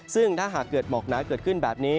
ซึ่งถ้าหากเกิดหมอกหนาเกิดขึ้นแบบนี้